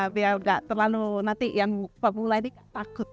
biar nggak terlalu nanti yang populer nih takut